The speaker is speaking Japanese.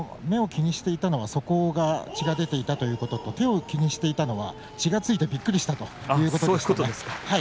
目を気にしていたのはそこが血が出ていたということと手を気にしていたのは血がついてびっくりしたということでした。